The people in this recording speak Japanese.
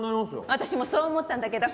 私もそう思ったんだけど。